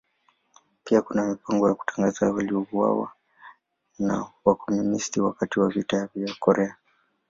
Pia kuna mipango ya kutangaza waliouawa na Wakomunisti wakati wa Vita vya Korea.